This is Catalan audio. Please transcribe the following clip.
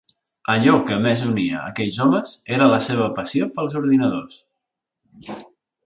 Allò que més unia aquells homes era la seva passió pels ordinadors.